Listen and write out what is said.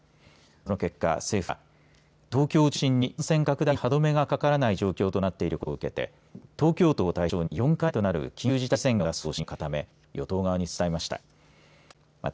その結果、政府は東京を中心に感染拡大に歯止めがかからない状況となっていることを受けて東京都を対象に４回目となる緊急事態宣言を出す方針を固め与党側に伝えました。